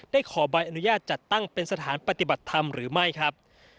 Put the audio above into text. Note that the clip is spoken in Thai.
ขอใบอนุญาตจัดตั้งเป็นสถานปฏิบัติธรรมหรือไม่ครับ